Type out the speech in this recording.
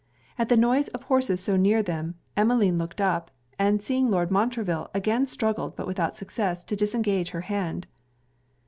At the noise of horses so near them, Emmeline looked up, and seeing Lord Montreville, again struggled, but without success, to disengage her hand.